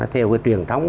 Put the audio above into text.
theo cái truyền thống